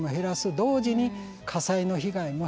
同時に火災の被害も減らす。